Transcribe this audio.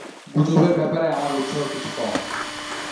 গুজবের ব্যাপারে আমার উৎসাহ কিছু কম।